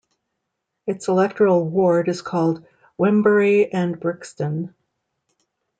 Its electoral ward is called 'Wembury and Brixton'.